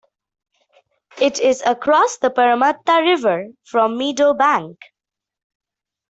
It is across the Parramatta River from Meadowbank.